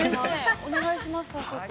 お願いします。